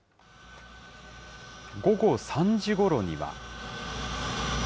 午後３時ごろには。